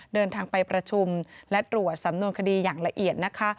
เดินทางไปประชุมและตรวจสำนวนคดีอย่างละเอียดนะคะ